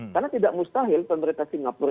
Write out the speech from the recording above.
karena tidak mustahil pemerintah singapura